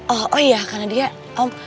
oh oh iya karena dia om